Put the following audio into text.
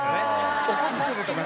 怒ってるとかね。